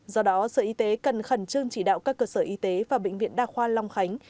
do đó sở y tế cần khẩn trương chỉ đạo các cơ sở y tế và bệnh viện đa khoa long khánh